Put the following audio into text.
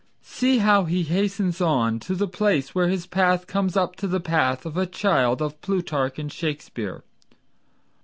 See how he hastens on To the place where his path comes up to the path Of a child of Plutarch and Shakespeare.